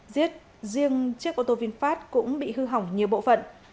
giết riêng chiếc ô tô vinfast cũng bị hư hỏng nhiều bộ phận